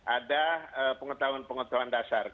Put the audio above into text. ada pengetahuan pengetahuan dasar